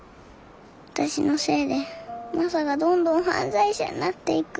私のせいでマサがどんどん犯罪者になっていく。